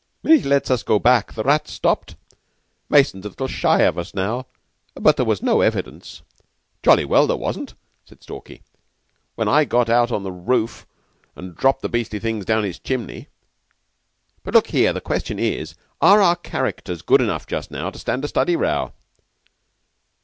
'Minute he let us go back the rats stopped. Mason's a little shy of us now, but there was no evidence." "Jolly well there wasn't," said Stalky, "when I got out on the roof and dropped the beastly things down his chimney. But, look here question is, are our characters good enough just now to stand a study row?"